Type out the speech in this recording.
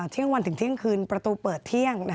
เที่ยงวันถึงเที่ยงคืนประตูเปิดเที่ยง